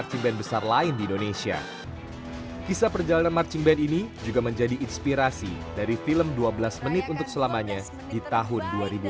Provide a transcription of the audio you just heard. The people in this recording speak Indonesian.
kisah lain di indonesia perjalanan marching band ini juga menjadi inspirasi dari film dua belas menit untuk selamanya di tahun dua ribu enam belas